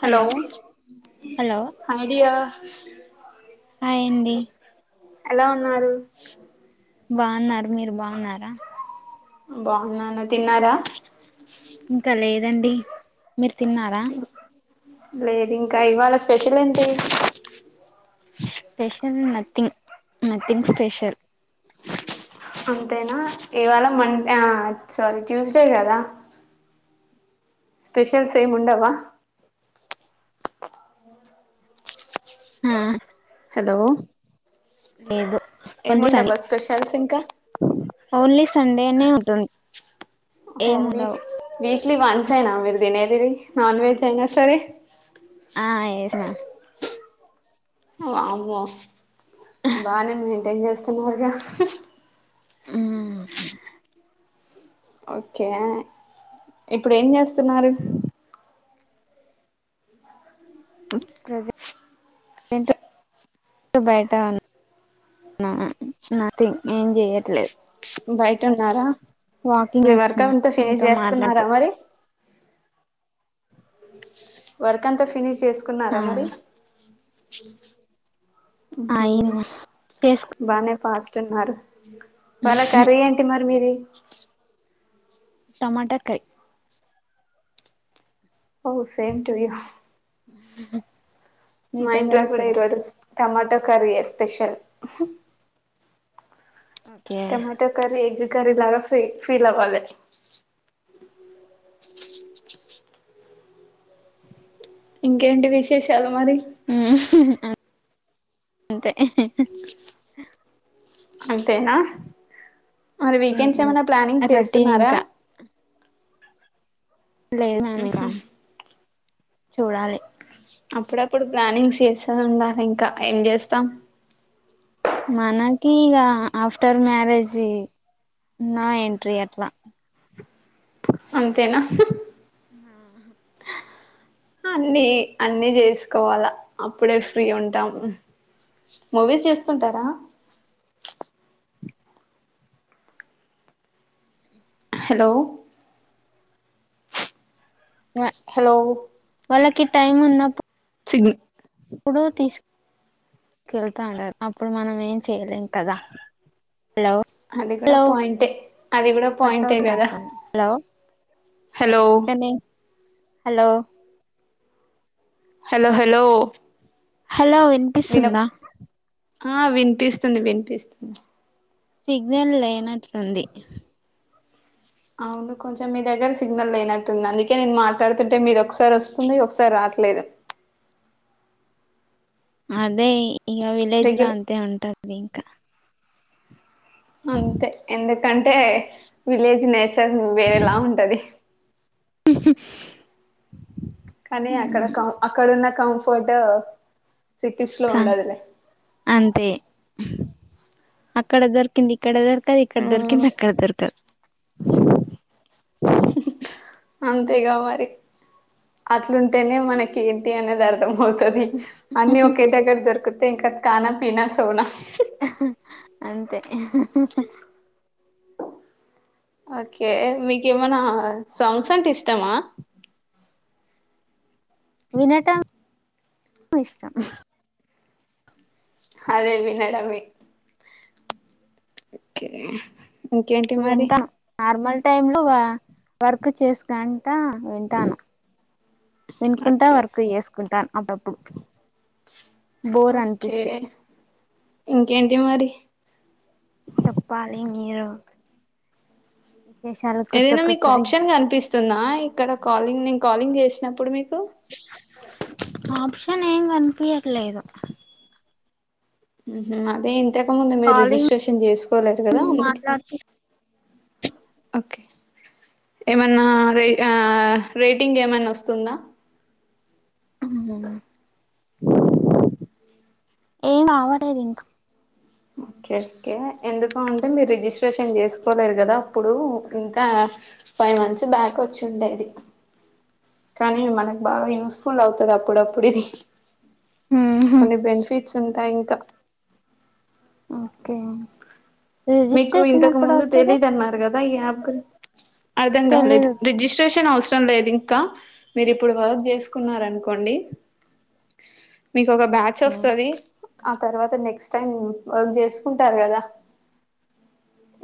Hello హడియా అందే అయింది ఎలా ఉన్నారు బావున్నారు మీరు బావున్నారా బాగున్నాన్న తిన్నారా రండి మీరు తిన్నారా లేదు ఇంకా ఇవాళ స్పెషల్ ఏంటి okay in nothing nothing special అంతేనా ఇవాళ మండే ఆ సారీ ట్యూస్డే కదా స్పెషల్స్ ఏం ఉండవా ఆ హలో లేదు ఓన్లీ సండే ఏముండబ్బా స్పెషల్స్ ఇంకా ఓన్లీ సండేనే ఉంటు హో వీకి వీక్లీ వన్సైన మీరు దినేదిరి నాన్ వెజ్ అయినా సరే ఆ ఏస్నా వామ్మో బానే మెంటైన్ చేస్తు ఉన్నారు గా ఉ ఉ ఓకే ఇప్పుడు ఏం చేస్తున్నారు ఉ ప్రెజె ఏంటో బయట ఉన్న నాను నథింగ్ ఏం చెయట్లేదు బయటున్నారా వాకింగ్ మీ వర్క్ చేస్తున్నా అంత మీతో ఫినిష్ మాట్లాడుతూ చేస్కున్నారా మరి వర్క్ అంతా ఫినిష్ చేసు ఆ కున్నారా మరి ఉహు ఆయింది చేసు బానే ఫాస్ట్ ఉన్నారు ఇవ్వాళ కర్రీ ఏంటి మరి మీది టమాటా కర్రీ ఓ సేమ్ టూ యు ఉ మా ఇంట్లో కూడా ఈ రోజు టొమాట కర్రియే special okay tomato curry egg curry లాగా ఫీ ఫీలవ్వాలి ఇంకేంటి విశేషాలు మరి అం అంతే అంతేనా మరి వీకెండ్స్ తిన్నాను ఏమైనా ప్లానింగ్ రొటీన్ చేస్తున్నారా ఇంకా లేదండి ఇక చూడాలి అప్పుడప్పుడు ప్లానింగ్స్ చేస్తా ఉండాలి ఇంకా ఏం చేస్తాం మనకి ఇగ ఆఫ్టర్ మ్యారేజి నో ఎంట్రీ అట్లా అంతేనా ఉ అన్ని అన్ని చేసుకోవాలా అప్పుడే ఫ్రీ ఉంటాం మూవీస్ చేస్తుంటారా హలో హలో వాళ్ళకి టైమ్ ఉన్నాప్ సిగ్ ప్పుడు తీసుకకెళ్తా ఉంటారు అప్పుడు మనం ఏం చేయలేం కదా హలో అది కూడా హలో పాయింట్యే అది కూడా కట్ పాయింటే అవుతుంది కదా అట్లనే హలో హలో కానీ హలో హలో హలో హలో వినప్ వినిపిస్తుందా ఆ వినిపిస్తుంది వినిపిస్తుంది సిగ్నల్ లేనట్లుంది అవును కొంచెం మీ దగ్గర సిగ్నల్ లేనట్టుంది అందుకే నేను మాట్లాడుతుంటే మీది ఒకసారి వస్తుంది ఒకసారి రాట్లేదు అదే ఈగ విలేజ్ లో రెగ్యుల అంతే ఉంటది [inaudible] అంతే ఎంలే ఎకంటే విలేజ్ నేచర్ వేరేలా ఉంటది ఊహు కానీ అక్కడ క అక్కడన్న కంఫర్టు హ అంతే అక్కడ దొర్కింది ఇక్కడ దొర్క ఇక్కడ దొరికిందక్కడ దొర్కదు అంతేగా మరి అట్లుంటేనే మనకి ఏంటి అనేది అర్థంమవుతుం తుది అన్ని ఒకే దగ్గర దొరుకు తంక ఖానా పీనా సోనా అంతే ఊహు ఓకే మీకేమనా సాంగ్స్ అంటే ఇష్టమా వినటం ఇష్టం అదే వినడమే ఓకే ఇంకేంటి మరి టైం లో వర్క్ చేసుకుంట వింటాన్న వినుకుంటా ఓకే వర్క్ చేసుకుంటాను అటప్పుడు బోర్ ఓకే అనిపిస్తే ఇంకేంటి మరి చెప్పాలి మీరు విశేషాలు కొత్త ఏదైనా మీకు కొత్తవి ఆప్షన్ కనిపిస్తుందా ఇక్కడ కాలింగ్ నే కాలింగ్ చేషినప్పుడు మీకు ఆప్షన్ ఏం కనిపియట్లేదు ఉహుమ్ అదేం ఇంతకముందు మీరు కాలింగ్ రిజిస్ట్రేషన్ చేస్కోలేదు కదా అందుకే మాట్లాడుతూ ఓకే ఏమన్నా రే ఆ రేటింగ్ ఏమైన్నా వస్తుందా ఊహు ఏం అవలేదు ఇంకా కే కే ఎందుకు అంటే మీరు రిజిస్ట్రేషన్ చేసుకోలేరు కదా అప్పుడు ఇంకా ఫైవ్ మంత్స్ బ్యాక్ వచ్చిండేది కానీ మనకు బాగా యూస్ఫుల్ అవుతుంది అప్పుడప్పుడు ఇది కొన్ని బెనిఫిట్స్ ఉం ఎంకా ఓకే మీకు రిజిస్ట్రేషన్ ఇంతకు ఎప్పుడు ముందు అవుతది తెలీదన్నారు కద్ దా యాగ్గుల్ అర్థం కాలేదు తెలీదు రిజిస్ట్రేషన్ అవుస్ తం లేదు ఇంకా మీరు ఇప్పుడు వర్క్ చేసుకున్నారనుకోండి మీకొక బ్యాచ్ ఓకే వస్తది ఆ తర్వాత నెక్స్ట్ టైం వర్క్ చేసుకుంటారు కదా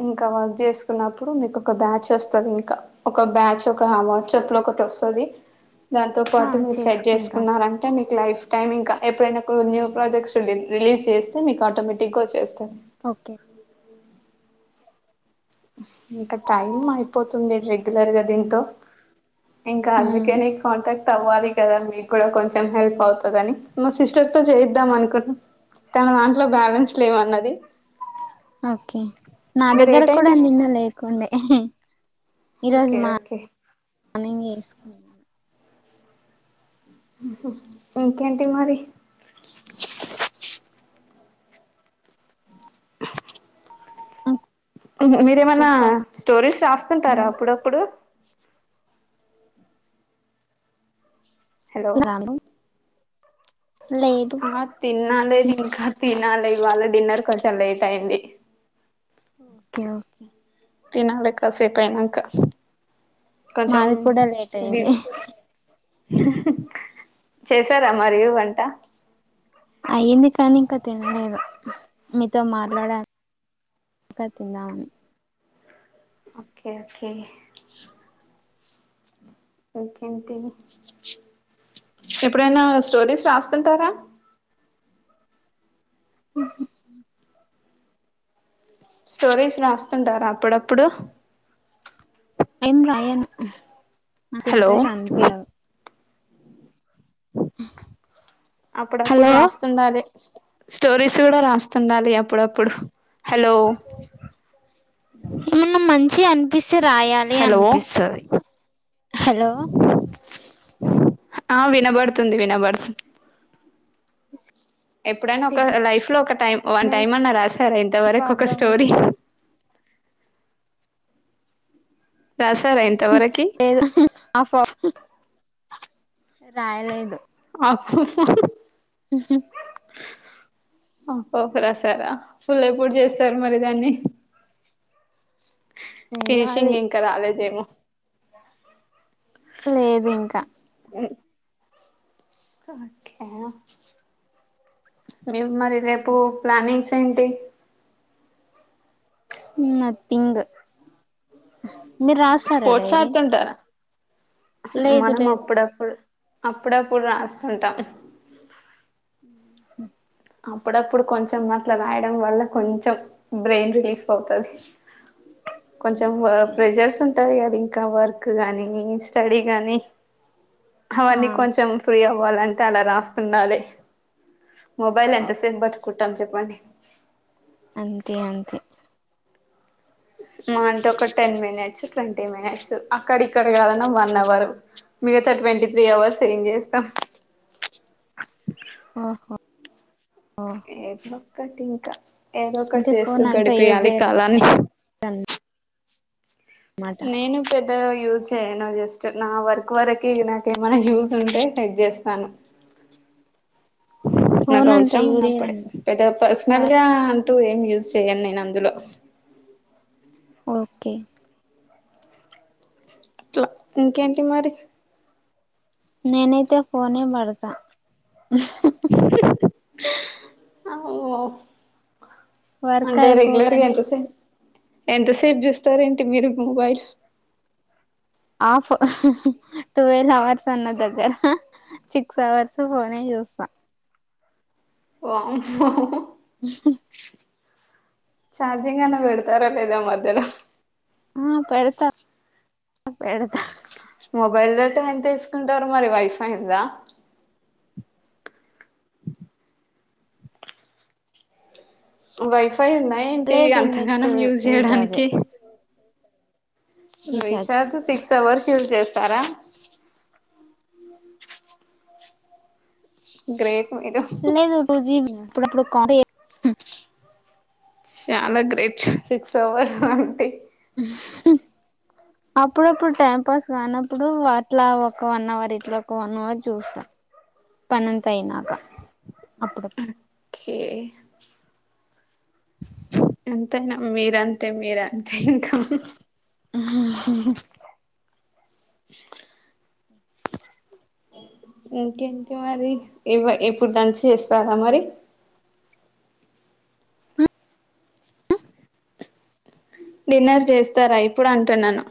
ఇంక వర్క్ చేసుకున్నప్పుడు మీకు ఒక బ్యాచ్ వస్తది ఇంకా ఒక బ్యాచ్ ఒక వాట్సాప్ లో ఒకటొస్తది దాంతో ఆ పాటు మీరు సెట్ చేసుకుంటాను చేసుకున్నారంటే మీ లైఫ్ టైమ్ ఇంకా ఎప్పుడైనా కూడా న్యూ ప్రాజెక్ట్స్ రిలీజ్ చేస్తే మీకు ఆటోమేటిక్ గా వచ్చేస్త ఓకే ఇంక టైమ్ అయిపోతుంది రెగ్యులర్ గా దీంతో ఇంకా ఉమ్ అందుకేనే కాంటాక్ట్ తవ్వాలి కదా మీకు కూడా కొంచెం హెల్ప్ అవుతదని మా సిస్టర్ తో చేయిద్దాం అనుకుంటన్నా తన దాంట్లో బ్యాలెన్స్ లేవన్నది ఓకే నా మీరు ఏ దగ్గర కూడా టైంకి ఫ్రీ నిన్న లేకుండే ఈ రోజు ఓకే మా ఓకే మానింగ్ ఎస్కున్నా ఇంకేంటి మరి మీరేమన్నా చెప్పాలా స్టోరీస్ రాస్తుంటారా అప్పుడప్పుడు హలో రాను లేదు ఆ తిన్నాలేదు ఇంకా తినాలి వాళ్ళ డిన్నర్ కొంచెం లేట్ అయ్యింది ఓకే ఓకే తినాల కాసే పైనాక మాది కూడా లేేట్ అయిది చేసారా మరి వంట అయ్యింది కానీ ఇంకా తినలేదు మీతో మాట్లాడ కా తిన్నాం ఓకే ఓకే ఎప్పుడైనా స్టోరీస్ రాస్తుంటారా స్టోరీస్ రాస్తుంటారా అప్పుడప్పుడు ఏం రాయన్ నాకు హలో ఇంట్రెస్ట్ అనుపిలేదు అప్పుడప్పుడు హలో రాస్తుండాలి స్టోరీస్ కూడా రాస్తుండాలి అప్పుడప్పుడు. హలో చి అనిపి చి రాయాలి హలో అనిపిస్తది హలో ఆ వినబడుతుంది వినబడుతుంది ఎప్పుడైనా ఒక లైఫ్ లో ఒక టైం వన్ సిగ్నల్ టైం అన్నా రాసారా ఇంతవరకు ఒక ప్రాబ్లం స్టోరీ ఉన్నది రాసారా ఇంతవరకి ఏద ఆఫ్ ఫ్ రాయలేదు ఆఫాఫ్ హ హ హాఫ్ హాఫ్ రాసారా ఫుల్ ఎప్పుడు చేస్తారు మరి దాన్ని? ఫినిషింగ్ చెయ్యాలి ఇంకా రాలేదేమో? లేదు ఇంకా ఓకే రేపు మరి రేపు ప్లానింగ్స్ ఏంటి? ఊ నథింగ్ మీరు రాస్తారా స్పోర్ట్స్ డైరీ ఆడుతుంటా. లేదు మనం లేదు అప్పుడప్పుడు అప్పుడప్పుడు రాస్తుంటా ఉ అప్పుడప్పుడు కొంచెం అట్లా రాయడం వల్ల కొంచెం బ్రెయిన్ రిలీఫ్ అవుతది కొంచెం ఓకే ప్రెజర్స్ ఉం ఉంటాయి కదు ఇంకా వర్క్ గానీ స్టడీ గానీ ఆ అవన్ని కొంచెం ఫ్రీ అవ్ పోవాలంటే అలా రాస్తుండాలి. మొబైల్ ఎంత ఓకే సేపు బట్కు కుంటాం చెప్పండి. అంతే అంతె మా అంటే ఒక టెన్ మినిట్స్ ట్వంటీ మినిట్స్ అక్కడిక్కడ కాదన్నా వన్ అవర్ మిగతా ట్వంటీ త్రీ అవర్స్ ఏం చేస్తా ఓహో ఏట్నొ కటింకా ఏదో ఒకటి అంటే చేస్తూ ఫోన్ అంతా యూజ్ గడిపేయాలి చేయరు కాలాన్ని అనమాట నేను పెద్ ద్దగా యూజ్ చేయను జస్ట్ నా వర్క్ వరికి ఇగ నాకేమైనా యూజ్ ఉంటే ఎట్ చేస్తాను. నాకు ఫోన్ అంతా అవసరం యూజ్ ఉన్నప్పుడే చేయరని పెద్దగా పర్సనల్ కాదు గా టూ ఏం యూజ్ చేయను నేను అందులో ఓకే ట్లా ఇంకేంటి మరి నేనైతే ఫోన్ ఏ వడతా ఆ ఓ వర్క్ అంటే రెగులర్ గా అయిపోగానే ఎంత సే ఫోన్ ఎంతసేపు చూస్తారేంటి మీరు మొబైల్ ఆఫ్ టువెల్ అవర్స్ అన్నా దగ్గర సిక్స్ అవర్స్ ఫోనే చూస్తా వామ్మో చార్జింగ్ అన్నా పెడతారా లేదా మధ్యలో ఆ పెడతా [inaudible] పెడతా మొబైల్ డేటా ఎంత తీసుకుంటారు మరి వైఫై ఉందా వైఫ్ పైగా ఏంటి లేదు నెట్ అంతగానం యూజ్ రీచార్జే చేయడానికి recharge recharge six hours use చేస్తారా గ్రేట్ మీరు నేను బుజిగున్న అప్పుడప్పుడు కా [unintelligible] చాలా గ్రేట్ సిక్స్ అవర్స్ అంటే ఊహ్మ్ అప్పుడప్పుడు టైం పాస్ కానప్పుడు అట్లా ఒక వన్ అవర్ ఇట్లా ఒక వన్ అవర్ చూస్తా పనంతా అయినాక అప్పుడప్పుడు ఓకే అంతేనా మీరంతే మీరంతే ఇంకా హ్మ్ హు హు ఇంకేంటి మరి ఇ ఎప్పుడు లంచ్ చేస్తారా మరి డిన్నర్ చేస్తారా ఇప్పుడు అంటున్నాను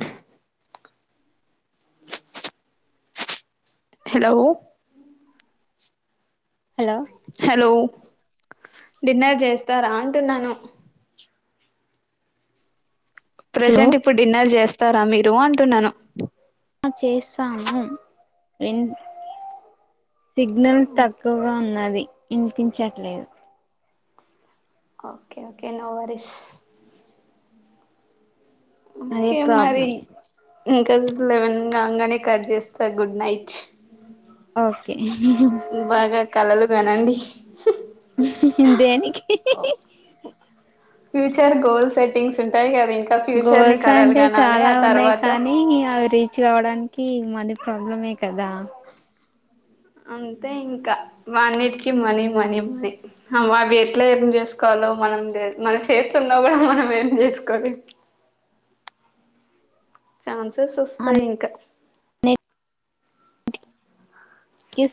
హలో హలో హలో డిన్నర్ చేస్తారా అంటున్నాను హలో ప్రెజెంట్ ఇప్పుడు డిన్నర్ చేస్ త్తర మీరు అంటున్నాను ఆ చేస్తాము ఇన్ సిగ్నల్ ఓకే తక్కువగా ఉన్నది ఇన్పించట్లేదు ఓకే ఓకే నో వరీస్ అదే ఓకే మరి ప్రాబ్లం ఇంకా [unintelligible] లెవెన్ కాంగానే కట్ చేస్తా గుడ్ నైట్ ఓకే హె హె గనండి హు హు దేనికి హె హె చింటాయి కా కాఫీ గోల్స్ అంటే చాలా ఉన్నాయి కానీ అవి రీచ్ కావడానికి మది ప్రాబ్లమే కదా అంతే ఇంకా వాన్నిటికి మనీ మనీ మనీ మావి ఎట్లా ఏం చేసుకోవాలో మనం మన చేతిలున్నా కూడా మనం ఏం చేసుకోవాలి చాన్సెస్ వస్తాయి అన్నిటికీ ఇంకా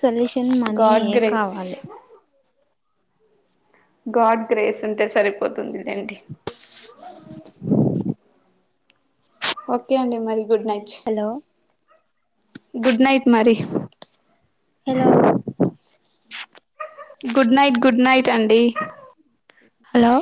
సొల్యూషన్ గాడ్ మనీయే గ్రేస్ కావాలి గాడ్ గ్రేస్ ఉంటే సరిపోతుంది లేండి [inaudible] ఓకే అండి మరి good night hello good night మరి hello good night good night టెండి హలో